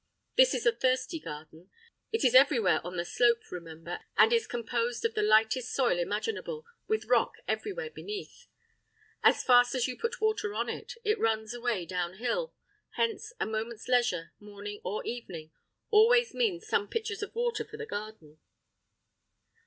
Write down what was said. This is a thirsty garden; it is everywhere on the slope, remember, and is composed of the lightest soil imaginable with rock everywhere beneath. As fast as you put water on it, it runs away downhill; hence, a moment's leisure, morning or evening, always means some pitchers of water for the garden.